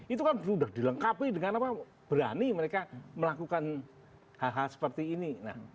itu kan sudah dilengkapi dengan apa berani mereka melakukan hal hal seperti ini